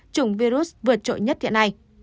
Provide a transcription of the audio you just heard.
chủng virus vượt trội nhất hiện nay